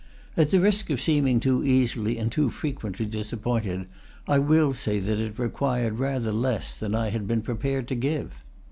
At the risk of seeming too easily and too frequently disappointed, I will say that it required rather less than I had been prepared to give.